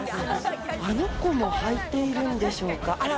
あの子もはいているんでしょうか？